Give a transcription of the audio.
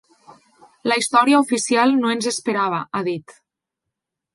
La història oficial no ens esperava, ha dit.